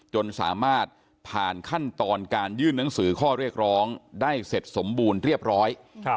จนสามารถผ่านขั้นตอนการยื่นหนังสือข้อเรียกร้องได้เสร็จสมบูรณ์เรียบร้อย